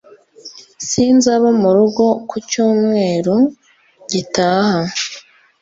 Sinzaba murugo ku cyumweru gitaha